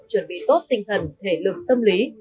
chuẩn bị tốt tinh thần thể lực tâm lý